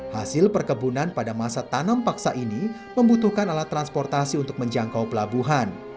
hasil perkebunan pada masa tanam paksa ini membutuhkan alat transportasi untuk menjangkau pelabuhan